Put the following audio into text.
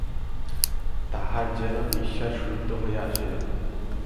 তাহার যেন নিশ্বাস রুদ্ধ হইয়া আসিল।